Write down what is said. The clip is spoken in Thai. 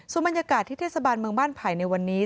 ส่วนบรรยากาศที่เทศบาลเมืองบ้านไผ่ในวันนี้